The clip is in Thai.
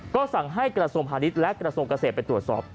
ก็สั่งให้กระทรวงพาณิชย์และกระทรวงเกษตรไปตรวจสอบ